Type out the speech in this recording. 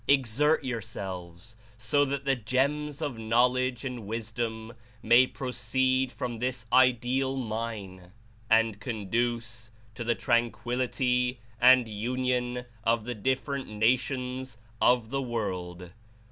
Exert yourselves, so that the gems of knowledge and wisdom may proceed from this Ideal mine and conduce to the tranqulllitv and union of the different nations of the world."